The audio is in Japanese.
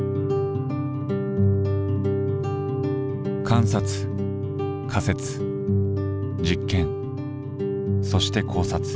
観察仮説実験そして考察。